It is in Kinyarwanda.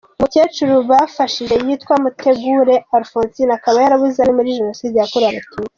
Umukecuru bafashije yitwa Mutegure Alphonsine akaba yarabuze abe muri Jenoside yakorewe abatutsi.